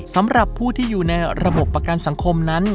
สำหรับผู้ที่อยู่ในระบบประกันสังคมนั้น